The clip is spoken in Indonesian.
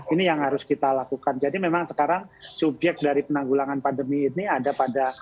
ini yang harus kita lakukan jadi memang sekarang subjek dari penanggulangan pandemi ini ada pada